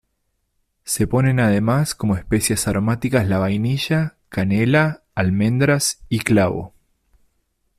Se ponen además como especias aromáticas la vainilla, canela, almendras y clavo.